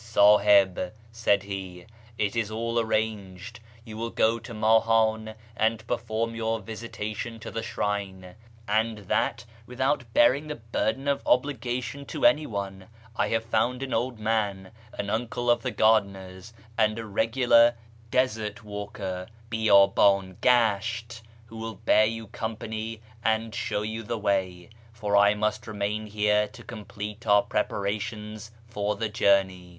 " Sdhib," said he, " it is all arranged : you will go to INIahan and perform your visitation to the shrine, and that without bearing the burden of obligation to any one. I have found an old man, an uncle of the gardener's, and a regular ' desert walker' (hiydbdn gasht), who will bear you company and show you the way ; for I must remain here to complete our preparations for the journey.